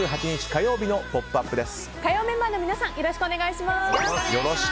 火曜メンバーの皆さんよろしくお願いします。